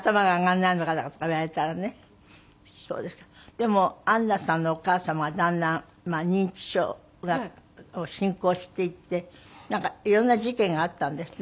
でもアンナさんのお母様がだんだん認知症が進行していってなんか色んな事件があったんですって？